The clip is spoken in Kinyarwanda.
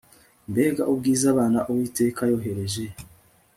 Mbega ubwiza abana Uwiteka yohereje